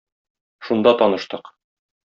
Шунда таныштык.